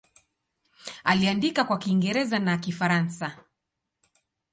Aliandika kwa Kiingereza na Kifaransa.